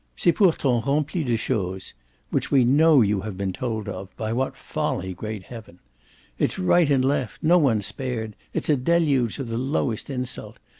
"C'est pourtant rempli de choses which we know you to have been told of by what folly, great heaven! It's right and left no one's spared it's a deluge of the lowest insult.